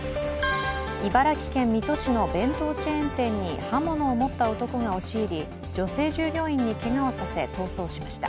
茨城県水戸市の弁当チェーン店に刃物を持った男が押し入り女性従業員にけがをさせ逃走しました。